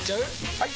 ・はい！